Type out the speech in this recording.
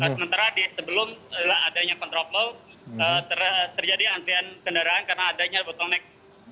sementara sebelum adanya kontraflow terjadi antrian kendaraan karena adanya botonek